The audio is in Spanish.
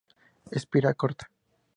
Espira corta.